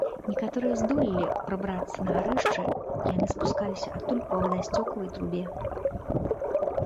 Некаторыя здолелі прабрацца на гарышча, яны спускаліся адтуль па вадасцёкавай трубе.